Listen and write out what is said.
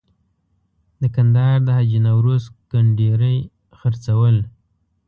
د کندهار د حاجي نوروز کنډیري خرڅول.